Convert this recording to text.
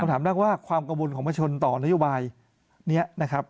คำถามแรกว่าความกังวลของประชนต่อนโยบายนี้